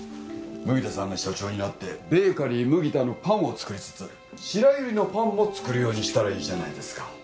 麦田さんが社長になってベーカリー麦田のパンを作りつつ白百合のパンも作るようにしたらいいじゃないですか